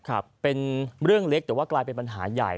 ครับเป็นเรื่องเล็กแต่ว่ากลายเป็นปัญหาใหญ่